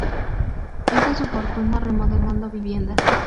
Hizo su fortuna remodelando viviendas.